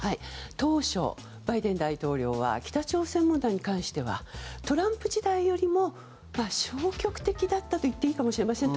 当初、バイデン大統領は北朝鮮問題に関してはトランプ時代よりも消極的だったと言っていいかもしれません。